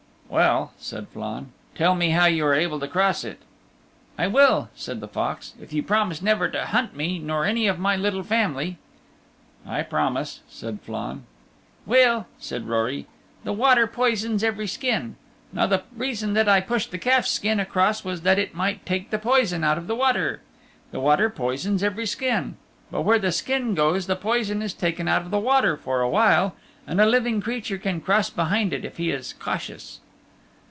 "Well," said Flann, "tell me how you are able to cross it." "I will," said the fox, "if you promise never to hunt me nor any of my little family." "I promise," said Flann. "Well," said Rory, "the water poisons every skin. Now the reason that I pushed the calf's skin across was that it might take the poison out of the water. The water poisons every skin. But where the skin goes the poison is taken out of the water for a while, and a living creature can cross behind it if he is cautious."